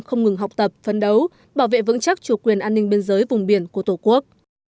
không ngừng học tập phấn đấu bảo vệ vững chắc chủ quyền an ninh biên giới vùng biển của tổ quốc